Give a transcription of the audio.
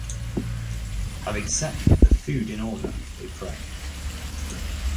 Having set the food in order, they pray.